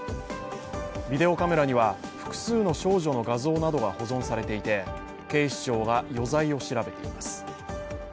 ビデオカメラには複数の少女の画像などが保存されて、警視庁が余罪を調べています。